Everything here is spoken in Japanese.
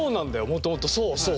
もともとそうそう。